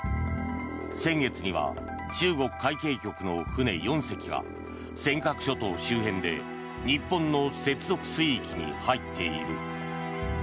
先月には中国海警局の船４隻が尖閣諸島周辺で日本の接続水域に入っている。